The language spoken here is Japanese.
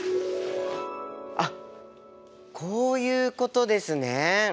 あっこういうことですね。